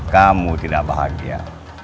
kamu tidak bahagia